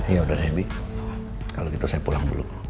ya udah deh bi kalau gitu saya pulang dulu